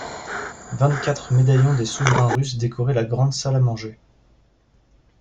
Vingt-quatre médaillons des souverains russes décoraient la grande salle-à-manger.